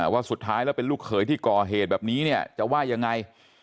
ว่าสุดท้ายแล้วเป็นลูกเขยที่ก่อเหตุแบบนี้เนี่ยจะว่ายังไง